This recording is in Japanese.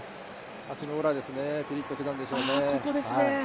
足の裏ですね、ピリッときたんでしょうね。